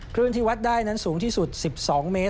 ที่วัดได้นั้นสูงที่สุด๑๒เมตร